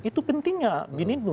itu pentingnya bin itu